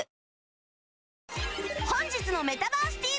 本日の「メタバースＴＶ！！」